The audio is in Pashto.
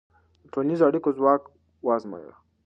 د ټولنیزو اړیکو ځواک وازمویه.